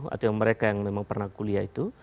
atau yang mereka yang memang pernah kuliah itu